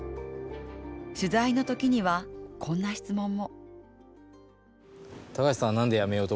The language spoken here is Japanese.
取材のときには、こんな質問も。